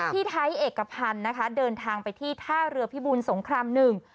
พี่ไทยเอกพันธ์นะคะเดินทางไปที่ท่าเรือพิบูลสงครามหนึ่ง